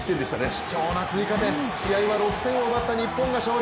貴重な追加点、試合は６点を奪った日本が勝利。